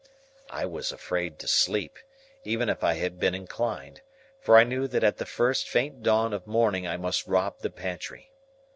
I was afraid to sleep, even if I had been inclined, for I knew that at the first faint dawn of morning I must rob the pantry.